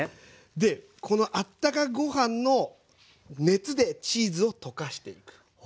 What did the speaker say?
でこのあったかご飯の熱でチーズを溶かしていく。